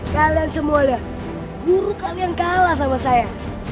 kalian semuanya guru kalian kalah sama saya